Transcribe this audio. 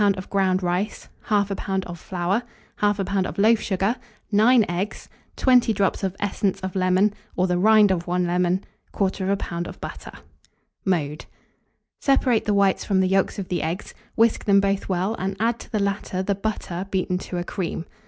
of ground rice, 1/2 lb. of flour, 1/2 lb. of loaf sugar, 9 eggs, 20 drops of essence of lemon, or the rind of 1 lemon, 1/4 lb. of butter. Mode. Separate the whites from the yolks of the eggs; whisk them both well, and add to the latter the butter beaten to a cream.